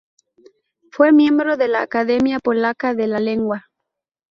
Fue miembro de la Academia Polaca de la Lengua.